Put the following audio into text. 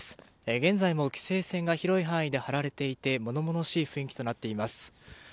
現在も規制線が広い範囲で張られていて物々しい雰囲気となっています。